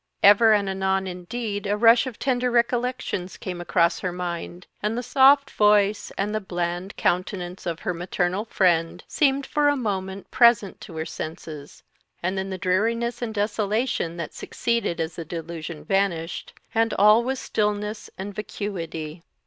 Ever and anon indeed a rush of tender recollections came across her mind, and the soft voice and the bland countenance of her maternal friend seemed for a moment present to her senses; and then the dreariness and desolation that succeeded as the delusion vanished, and all was stillness and vacuity!